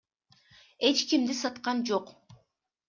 Эч кимди саткан жок.